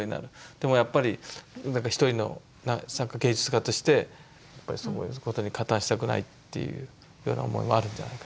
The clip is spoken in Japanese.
でもやっぱりなんか一人の芸術家としてやっぱりそういうことに加担したくないというような思いもあるんじゃないかと。